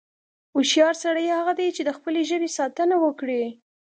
هوښیار سړی هغه دی، چې د خپلې ژبې ساتنه وکړي.